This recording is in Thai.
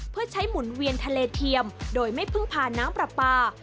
เพื่อใช้หมุนเวียนทะเลเทียมโดยไม่พึ่งพาน้ำปลาปลา